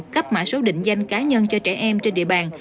cấp mã số định danh cá nhân cho trẻ em trên địa bàn